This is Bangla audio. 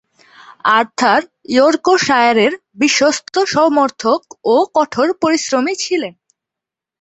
আর্থার ইয়র্কশায়ারের বিশ্বস্ত সমর্থক ও কঠোর পরিশ্রমী ছিলেন।